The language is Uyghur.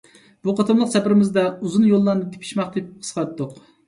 بۇ قېتىملىق سەپىرىمىزدە ئۇزۇن يوللارنى تېپىشماق تېپىپ قىسقارتتۇق.